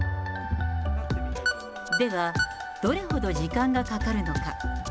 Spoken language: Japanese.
では、どれほど時間がかかるのか。